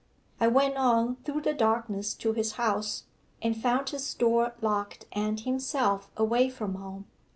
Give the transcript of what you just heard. I went on through the darkness to his house, and found his door locked and himself away from home.